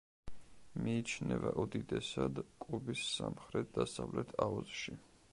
მიიჩნევა უდიდესად კუბის სამხრეთ-დასავლეთ აუზში.